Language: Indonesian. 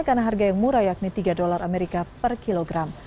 karena harga yang murah yakni tiga dolar amerika per kilogram